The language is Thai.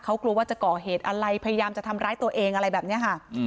เขากลัวว่าจะก่อเหตุอะไรพยายามจะทำร้ายตัวเองอะไรแบบนี้ค่ะ